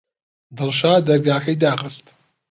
دڵشاد دەرگاکەی داخست.